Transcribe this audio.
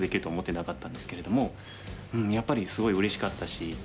やっぱりすごいうれしかったし。